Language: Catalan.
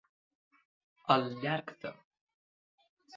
Al llarg de.